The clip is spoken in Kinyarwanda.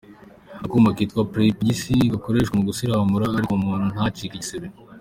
Akuma kitwa Pre Pegisi gakoreshwa mu gusiramura ariko umuntu ntacike igisebe.